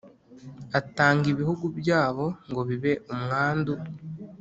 Atanga ibihugu byabo ngo bibe umwandu